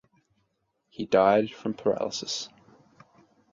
He died from paralysis.